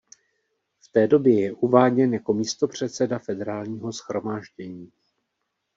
V té době je uváděn jako místopředseda Federálního shromáždění.